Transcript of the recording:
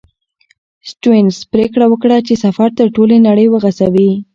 سټيونز پرېکړه وکړه چې سفر تر ټولې نړۍ وغځوي.